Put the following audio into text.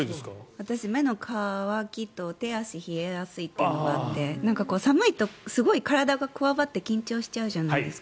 私、目の渇きと手足が冷えやすいというのがあって寒いとすごい体がこわばって緊張しちゃうじゃないですか。